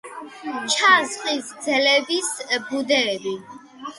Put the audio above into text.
ჩანს ხის ძელების ბუდეები.